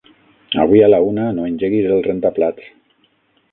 Avui a la una no engeguis el rentaplats.